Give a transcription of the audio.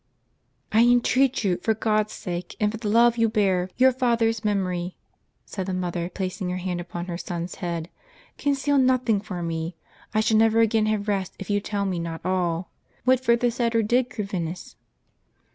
" I entreat you, for God's sake, and for the love you bear your father's memory," said the mother, placing her hand upon her son's head, " conceal nothing from me. I shall never again have rest if you tell me not all. What further said or did Corvinus?"